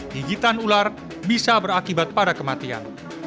gigitan ular bisa berakibat pada kematian